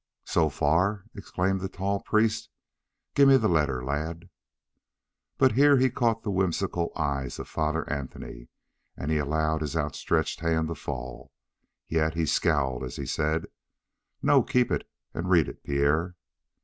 "So far!" exclaimed the tall priest. "Give me the letter, lad." But here he caught the whimsical eyes of Father Anthony, and he allowed his outstretched hand to fall. Yet he scowled as he said: "No; keep it and read it, Pierre."